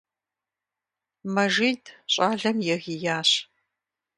Мэжид щӀалэм егиящ.